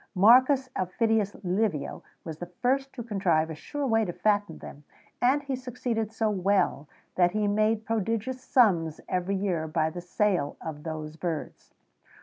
[XVII 125] Marcus Aufidius Livio was the first to contrive a sure way to fatten them;[XVII 126] and he succeeded so well that he made prodigious sums every year by the sale of those birds.